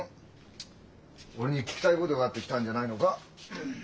俺に聞きたいことがあって来たんじゃないのか？